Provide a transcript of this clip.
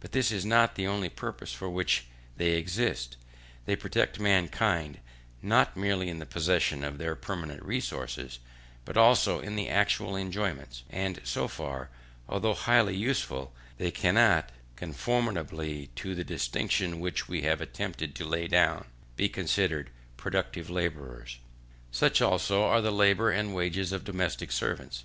But this is not the only purpose for which they exist; they protect mankind, not merely in the possession of their permanent resources, but also in their actual enjoyments; and so far, although highly useful, they cannot, conformably to the distinction which we have attempted to lay down, be considered productive labourers. Such, also, are the labour and the wages of domestic servants.